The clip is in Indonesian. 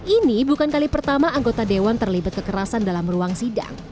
ini bukan kali pertama anggota dewan terlibat kekerasan dalam ruang sidang